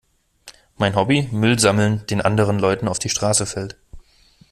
Mein Hobby? Müll sammeln, den anderen Leuten auf die Straße fällt.